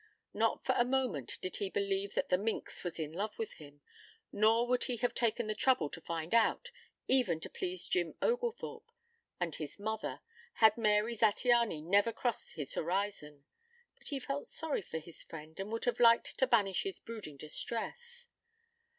Not for a moment did he believe that the minx was in love with him, nor would he have taken the trouble to find out, even to please Jim Oglethorpe and his mother, had Mary Zattiany never crossed his horizon. But he felt sorry for his friend and would have liked to banish his brooding distress.